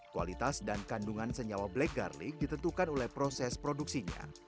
kualitas dan kandungan senyawa black garlic ditentukan oleh proses produksinya